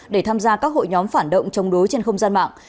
để tham gia các hội nhóm phản động chống đối trên không gian mạng